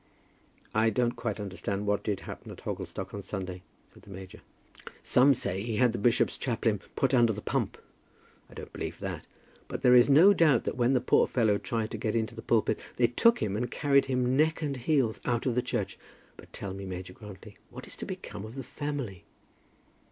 "I don't quite understand what did happen at Hogglestock on Sunday," said the major. "Some say he had the bishop's chaplain put under the pump. I don't believe that; but there is no doubt that when the poor fellow tried to get into the pulpit, they took him and carried him neck and heels out of the church. But, tell me, Major Grantly, what is to become of the family?"